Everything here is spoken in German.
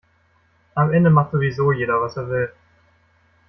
Am Ende macht sowieso jeder, was er will.